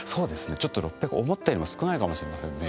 ちょっと６００思ったよりも少ないかもしれませんね。